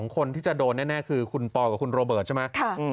คนที่จะโดนแน่คือคุณปอลกับคุณโรเบิร์ตใช่ไหม